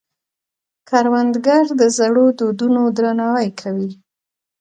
کروندګر د زړو دودونو درناوی کوي